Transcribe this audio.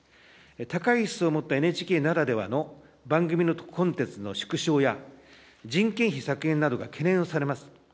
高い質を持ったＮＨＫならではの番組のコンテンツの縮小や、人件費削減などが懸念されます。